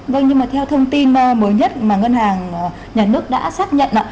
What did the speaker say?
vâng nhưng mà theo thông tin mới nhất mà ngân hàng nhà nước đã xác nhận ạ